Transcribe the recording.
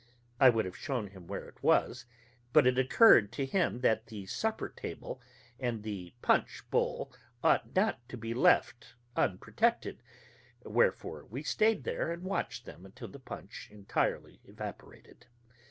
I would have shown him where it was, but it occurred to him that the supper table and the punch bowl ought not to be left unprotected; wherefore we stayed there and watched them until the punch entirely evaporated.